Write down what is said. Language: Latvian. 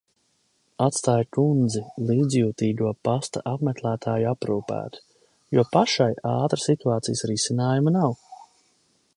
Atstāju kundzi līdzjūtīgo pasta apmeklētāju aprūpētu, jo pašai ātra situācijas risinājuma nav.